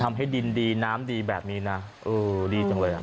ทำให้ดินดีน้ำดีแบบนี้นะเออดีจังเลยอ่ะ